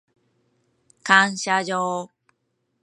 感謝状